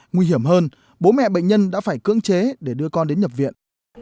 nguy hiểm hơn bố mẹ bệnh nhân đã phải cưỡng chế để đưa con đến nhập viện